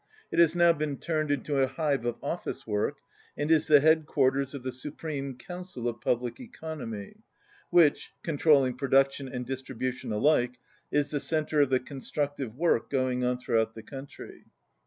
It has now been turned into a hive of office work, and is the head quarters of the Supreme Council of Public Econ omy, which, controlling production and distribu tion alike, is the centre of the constructive work going on throughout the country.